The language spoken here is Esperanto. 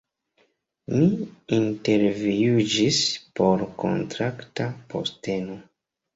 Mi intervjuiĝis por kontrakta posteno